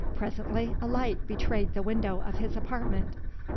Presently a light betrayed the window of his apartment.